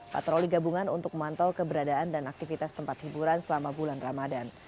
patroli gabungan untuk memantau keberadaan dan aktivitas tempat hiburan selama bulan ramadan